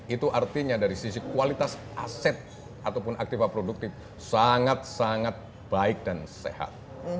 itu artinya dari sisi kualitas aset ataupun aktifa produktif sangat sangat baik dan sehat